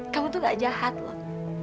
kamu tuh gak jahat loh